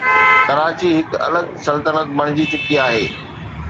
ڪراچي هڪ الڳ سلطنت بڻجي چڪي هئي.